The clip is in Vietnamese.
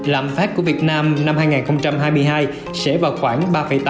lãm pháp của việt nam năm hai nghìn hai mươi hai sẽ vào khoảng ba tám bốn